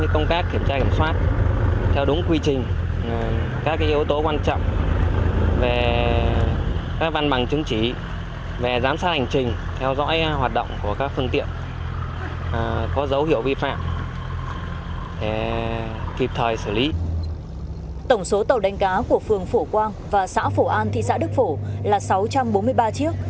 tổng số tàu đánh cá của phường phổ quang và xã phổ an thị xã đức phổ là sáu trăm bốn mươi ba chiếc